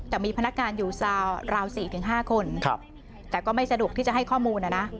แต่มีพนักงานอยู่ราวสี่ถึงห้าคนครับแต่ก็ไม่สะดวกที่จะให้ข้อมูลน่ะน่ะ